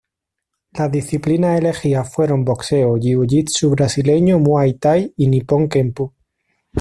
Las disciplinas elegidas fueron boxeo, jiu-jitsu brasileño, muay thai y nippon kempo.